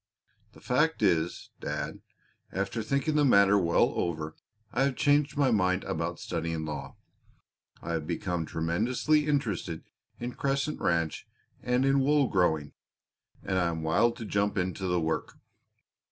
The fact is, dad, after thinking the matter well over I have changed my mind about studying law. I have become tremendously interested in Crescent Ranch and in wool growing, and I am wild to jump into the work.